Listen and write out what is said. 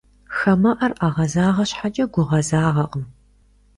Хамэӏэр ӏэгъэзагъэ щхьэкӏэ, гугъэзагъэкъым.